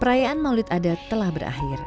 perayaan maulid adat telah berakhir